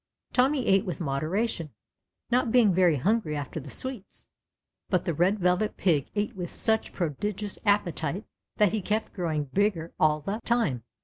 Tommy ate Avith moderation, not being very hungry after the sweets, but the Bed Velvet Pig ate with such prodigious appetite that he kept groAving bigger all the 290 THE CHILDREN'S WONDER BOOK. time.